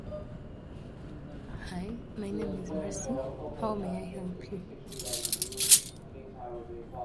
Also: the vocabulary of, or an individual word from, such a variety.